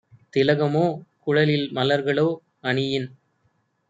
திலகமோ, குழலில் - மலர்களோ அணியின்